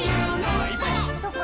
どこ？